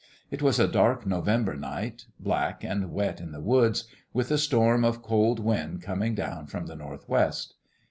It was a dark November night black and wet in the woods with a storm of cold wind coming down from the Northwest.